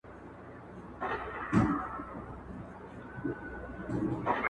سرې سرې سترګي هیبتناکه کوټه سپی ؤ,